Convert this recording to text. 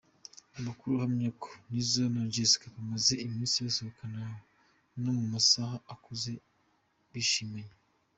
Amakuru ahamya ko Nizzo na Jessica bamaze iminsi basohokana no mu masaha akuze bishimanye.